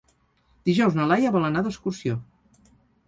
Dijous na Laia vol anar d'excursió.